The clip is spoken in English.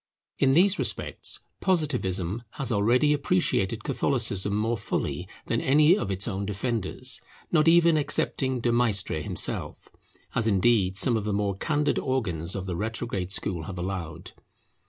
In these respects Positivism has already appreciated Catholicism more fully than any of its own defenders, not even excepting De Maistre himself, as indeed some of the more candid organs of the retrograde school have allowed.